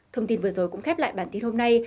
thông tin vừa rồi cũng khép lại bản tin hôm nay